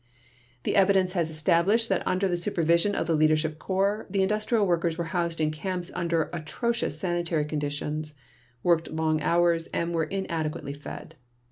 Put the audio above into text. The evidence has established that under the supervision of the Leadership Corps, the industrial workers were housed in camps under atrocious sanitary conditions, worked long hours and were inadequately fed.